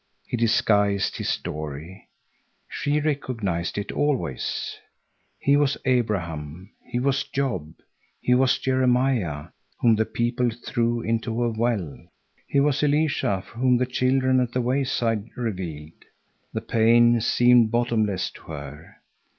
He disguised his story. She recognized it always. He was Abraham. He was Job. He was Jeremiah, whom the people threw into a well. He was Elisha, whom the children at the wayside reviled. That pain seemed bottomless to her.